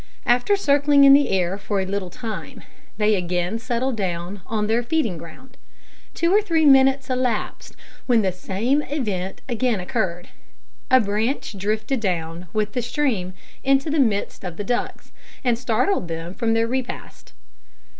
After circling in the air for a little time, they again settled down on their feeding ground. Two or three minutes elapsed, when the same event again occurred. A branch drifted down with the stream into the midst of the ducks, and startled them from their repast.